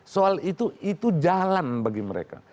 soal itu itu jalan bagi mereka